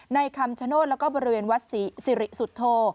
คำชโนธแล้วก็บริเวณวัดสิริสุทธโธ